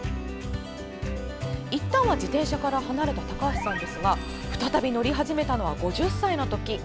いったんは自転車から離れた高橋さんですが再び乗り始めたのは５０歳のとき。